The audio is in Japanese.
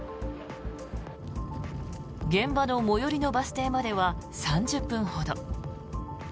現場の最寄りのバス停までは３０分ほど。